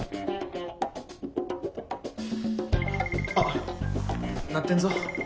あっ鳴ってんぞ。